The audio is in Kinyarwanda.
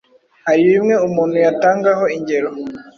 Hari bimwe umuntu yatangaho ingero,